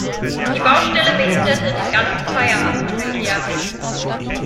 Die Baustelle behinderte den ganzen Feierabendverkehr.